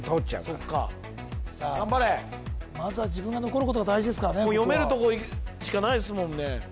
まずは自分が残ることが大事ですからね読めるとこいくしかないですもんね